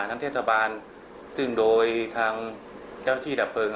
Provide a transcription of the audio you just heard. ทั้งเทศบาลซึ่งโดยทางเจ้าที่ดับเพลิง